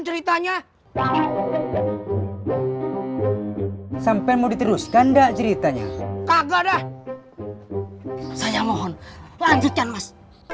ceritanya sampai mau diteruskan dak ceritanya kagak dah saya mohon lanjutkan mas